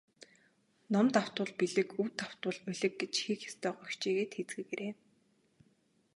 Ном давтвал билиг, үг давтвал улиг гэж хийх ёстойгоо хичээгээд хийцгээгээрэй.